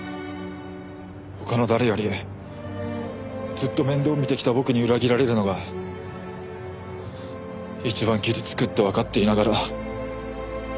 他の誰よりずっと面倒見てきた僕に裏切られるのが一番傷つくってわかっていながら。